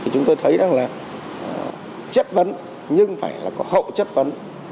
chúng tôi thấy rằng là chất vấn nhưng phải là có hậu chất vấn